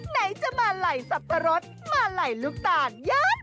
ไหนจะมาไหล่สัตว์ทรสมาไหล่ลูกต่างยั้น